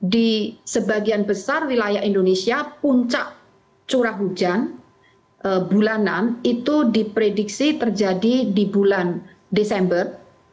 di sebagian besar wilayah indonesia puncak curah hujan bulanan itu diprediksi terjadi di bulan desember